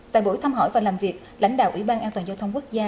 tại buổi thăm hỏi và làm việc lãnh đạo ủy ban an toàn giao thông quốc gia